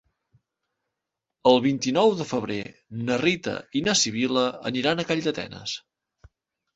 El vint-i-nou de febrer na Rita i na Sibil·la aniran a Calldetenes.